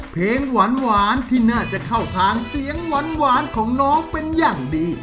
เพลงหวานที่น่าจะเข้าทางเสียงหวานของน้องเป็นอย่างดี